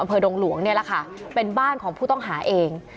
ดงหลวงเนี่ยแหละค่ะเป็นบ้านของผู้ต้องหาเอง